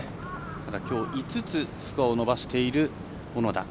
きょう５つスコアを伸ばしている小野田。